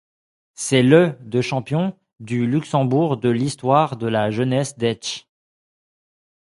C'est le de champion du Luxembourg de l'histoire de la Jeunesse d'Esch.